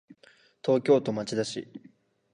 東京都町田市